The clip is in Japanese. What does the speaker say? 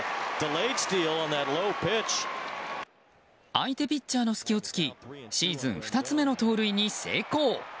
相手ピッチャーの隙を突きシーズン２つ目の盗塁に成功。